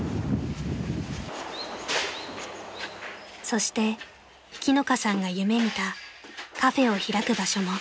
［そして樹乃香さんが夢見たカフェを開く場所も］